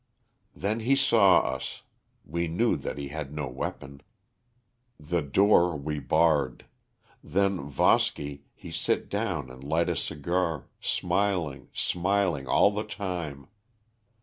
"Then he saw us. We knew that he had no weapon. The door we barred. Then Voski, he sit down and light a cigar, smiling, smiling all the time.